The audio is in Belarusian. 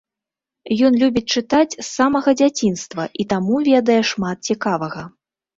Ён любіць чытаць з самага дзяцінства і таму ведае шмат цікавага.